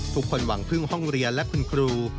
หวังพึ่งห้องเรียนและคุณครู